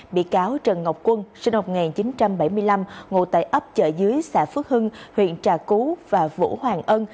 bị cáo trần ngọc quân sinh năm một nghìn chín trăm bảy mươi năm ngụ tại ấp chợ dưới xã phước hưng huyện trà cú và vũ hoàng ân